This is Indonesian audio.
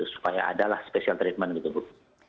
supaya ada lah special treatment gitu bu